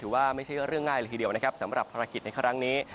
ว่าไม่ใช่เรื่องง่ายเลยทีเดียวนะครับสำหรับภารกิจในครั้งนี้